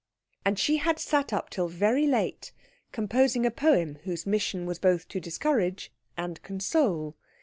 And she had sat up till very late, composing a poem whose mission was both to discourage and console.